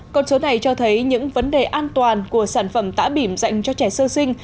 con số này cho thấy những vấn đề an toàn của sản phẩm tả bìm dành cho trẻ sơ sinh